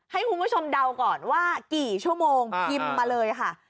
ให้คุณผู้ชมเดาก่อนว่ากี่ชั่วโมงพิมพ์มาเลยค่ะ